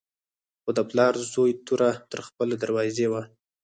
خو د پلار و زوی توره تر خپلې دروازې وه.